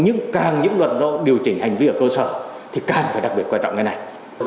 nhưng càng những luật nó điều chỉnh hành vi ở cơ sở thì càng phải đặc biệt quan trọng cái này